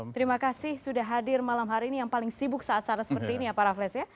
terima kasih sudah hadir malam hari ini yang paling sibuk saat saat seperti ini ya pak raffles ya